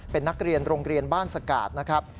เป็นนักเรียนโรงเรียนบ้านสกาดนะครับ